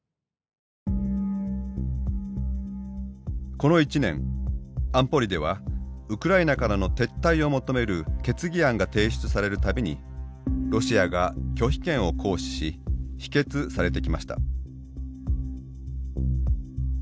この１年安保理ではウクライナからの撤退を求める決議案が提出される度にロシアが拒否権を行使し否決されてきました。